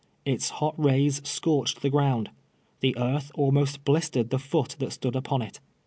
Its hot rays scorched the ground. The earth ahuost hhstered the foot that stood upon it.